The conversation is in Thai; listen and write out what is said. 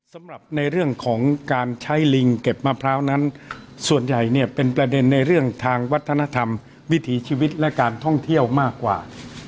สำหรับในเรื่องของการใช้ลิงเก็บมะพร้าวนั้นส่วนใหญ่เนี่ยเป็นประเด็นในเรื่องทางวัฒนธรรมวิถีชีวิตและการท่องเที่ยวมากกว่า